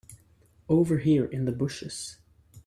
Over here in the bushes.